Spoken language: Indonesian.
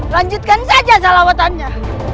lanjutkan saja salawatannya